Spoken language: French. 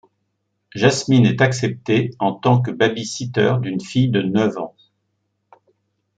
Jasmine est accepter en tant que baby-sitter d'une fille de neuf ans.